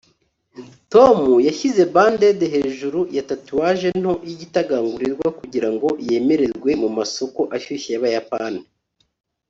tom yashyize band-aid hejuru ya tatouage nto yigitagangurirwa kugirango yemererwe mumasoko ashyushye yabayapani